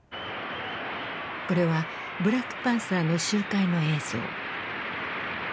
これはブラックパンサーの集会の映像。